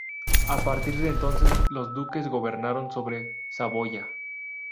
A partir de entonces los duques gobernaron sobre Saboya.